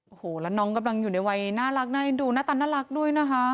โอ้โหแล้วน้องกำลังอยู่ในวัยน่ารักน่าเอ็นดูหน้าตาน่ารักด้วยนะคะ